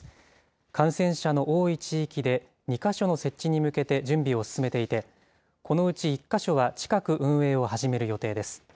感染者の多い地域で、２か所の設置に向けて準備を進めていて、このうち１か所は近く運営を始める予定です。